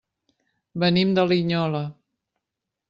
Venim de Linyola.